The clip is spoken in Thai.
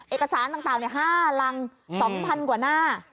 เอกสารต่าง๕รัง๒๐๐๐กว่าหน้า